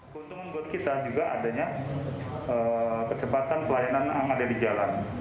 keuntungan buat kita juga adanya kecepatan pelayanan yang ada di jalan